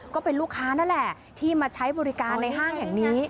ก็เป็นลูกค้านั่นแหละที่มาใช้บริการในห้างแห่งนี้